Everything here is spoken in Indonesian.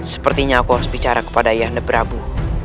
sepertinya aku harus bicara kepada ayah anda prabu